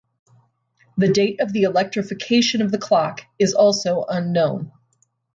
The date of the electrification of the clock is also unknown.